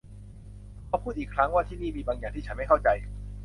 ขอพูดอีกครั้งว่าที่นี่มีบางอย่างที่ฉันไม่เข้าใจ